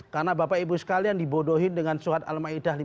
karena bapak ibu sekalian dibodohin dengan surat al ma'idah lima puluh satu